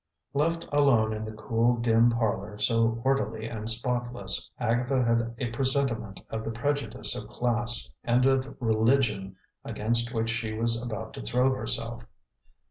Left alone in the cool, dim parlor, so orderly and spotless, Agatha had a presentiment of the prejudice of class and of religion against which she was about to throw herself.